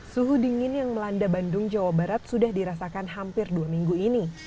suhu dingin yang melanda bandung jawa barat sudah dirasakan hampir dua minggu ini